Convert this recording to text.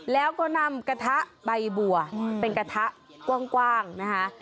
แล้วก็นำกระทะใบบัวเป็นกระทะกว้างนะคะ